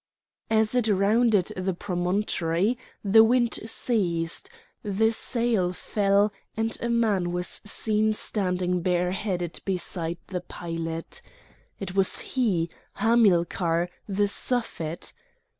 As it rounded the promontory the wind ceased, the sail fell, and a man was seen standing bareheaded beside the pilot. It was he, Hamilcar, the Suffet!